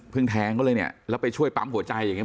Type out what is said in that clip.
เพิ่งแทงก็เลยเนี้ยแล้วไปช่วยปั๊มหัวใจอย่างเงี้ย